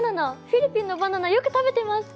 フィリピンのバナナよく食べてます。